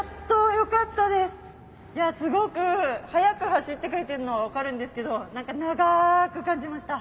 すごく速く走ってくれてるのは分かるんですけど長く感じました。